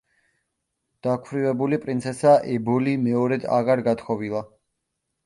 დაქვრივებული პრინცესა ებოლი მეორედ აღარ გათხოვილა.